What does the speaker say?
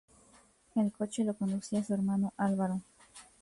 El coche lo conducía su hermano Álvaro.